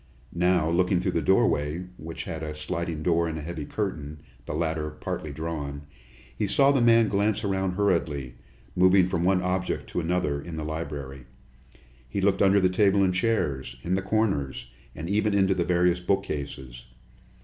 Now, looking through the doorway, which had a sliding door and a heavy curtain, the latter partly drawn, he saw the man glance around hurriedly, moving from one object to another in the library. He looked under the table and the chairs, in the corners, and even into the various bookcases.